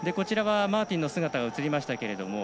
マーティンの姿が映りました。